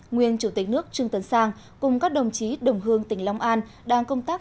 nguyên chủ tịch nước trương tấn sang cùng các đồng chí đồng hương tỉnh long an đang công tác